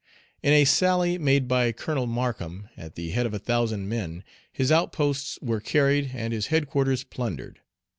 In a sally made by Colonel Markham, at the head of a thousand men, his outposts were carried, and his headquarters plundered.